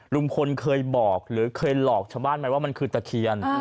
ลุงพลเคยบอกหรือเคยหลอกชาวบ้านไหมว่ามันคือตะเคียน